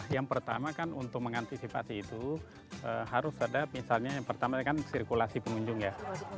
yang pertama kan untuk mengantisipasi itu harus ada misalnya yang pertama kan sirkulasi pengunjung ya